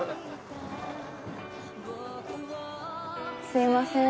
すいません。